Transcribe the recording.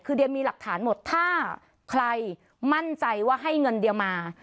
คือเดียมีหลักฐานหมดถ้าใครมั่นใจว่าให้เงินเดียมา